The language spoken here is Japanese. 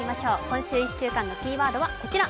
今週１週間のキーワードはこちら、７。